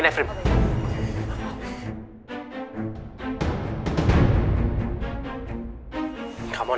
saya tukang konsumen